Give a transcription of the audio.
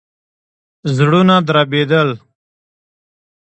زړونه دربېدل.